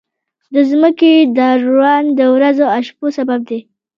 د ځمکې دوران د ورځو او شپو سبب دی.